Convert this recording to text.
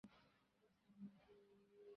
এখন দেখতে পাচ্ছো?